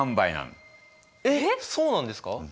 えっそうなんですか！？